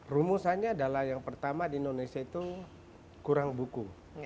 rumusannya adalah yang pertama di indonesia itu kurang buku